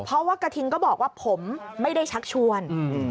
เพราะว่ากระทิงก็บอกว่าผมไม่ได้ชักชวน